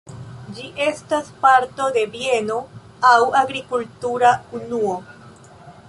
Ĝi estas parto de bieno aŭ agrikultura unuo.